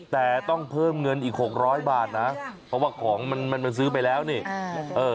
แต่ต้องเพิ่มเงินอีก๖๐๐บาทนะเพราะว่าของมันซื้อไปแล้วนี่